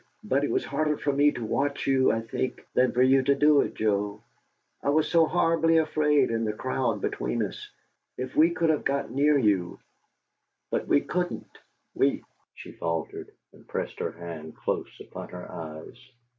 But it was harder for me to watch you, I think, than for you to do it, Joe. I was so horribly afraid and the crowd between us if we could have got near you but we couldn't we " She faltered, and pressed her hand close upon her eyes.